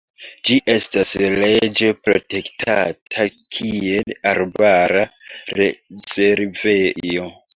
Ĝi estas leĝe protektata kiel arbara rezervejo.